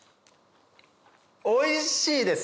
おいしいです。